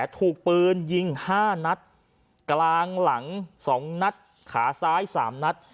ถูกปืนยิง๕นัดกลางหลัง๒นัดขาซ้าย๓นัด